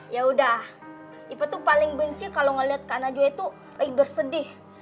yaudah iva tuh paling benci kalau ngeliat kak najwa itu bersedih